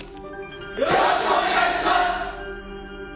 よろしくお願いします！